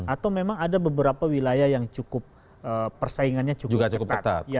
atau memang ada beberapa wilayah yang cukup persaingannya cukup ketat